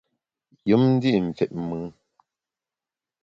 Yùm ndi’ fit mùn.